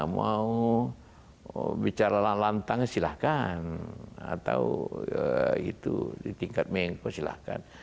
mau bicara lantang silahkan atau itu di tingkat menko silahkan